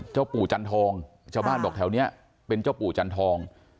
เจ้าปู่จันทองชาวบ้านบอกแถวนี้เป็นเจ้าปู่จันทอง